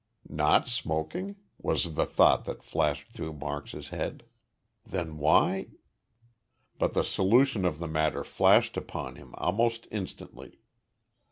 "Not smoking?" was the thought that flashed through Marks's head, "then why " But the solution of the matter flashed upon him almost instantly.